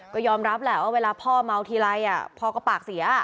ก็ยอมรับแหละว่าเวลาพ่อเมาทีไรพ่อก็ปากเสีย